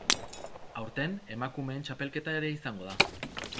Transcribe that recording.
Aurten, emakumeen txapelketa ere izango da.